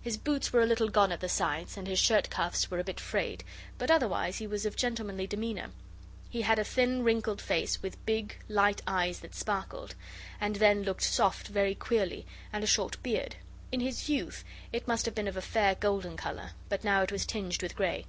His boots were a little gone at the sides, and his shirt cuffs were a bit frayed, but otherwise he was of gentlemanly demeanour. He had a thin, wrinkled face, with big, light eyes that sparkled, and then looked soft very queerly, and a short beard. In his youth it must have been of a fair golden colour, but now it was tinged with grey.